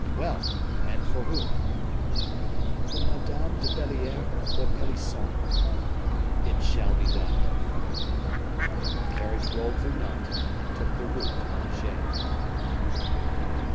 "Well! and for whom?" "For Madame de Belliere or Pelisson." "It shall be done." The carriage rolled through Nantes, and took the route to Angers.